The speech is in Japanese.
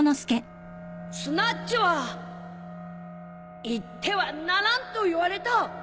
スナッチは言ってはならんと言われた